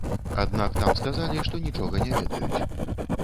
Аднак там сказалі, што нічога не ведаюць.